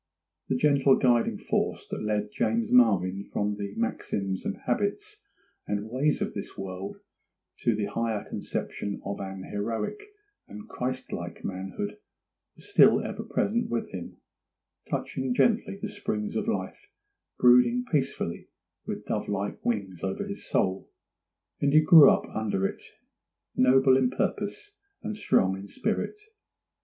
The gentle guiding force that led James Marvyn from the maxims and habits and ways of this world to the higher conception of an heroic and Christ like manhood was still ever present with him, gently touching the springs of life, brooding peacefully with dove like wings over his soul, and he grew up under it noble in purpose and strong in spirit.